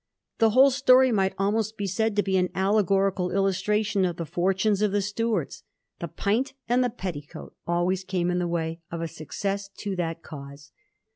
The whole story might almost be said to be an allegorical illustration of the fortunes of the Stuarts. The pint and the petticoat always came in the way of a success to that cause.